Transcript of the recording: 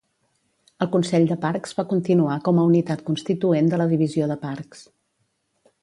El Consell de Parcs va continuar com a unitat constituent de la Divisió de Parcs.